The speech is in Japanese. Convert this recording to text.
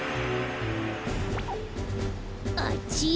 あっち？